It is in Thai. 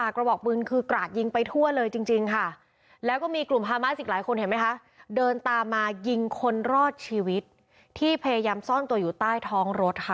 คือคนรอดชีวิตที่พยายามซ่อนตัวอยู่ใต้ท้องรถค่ะ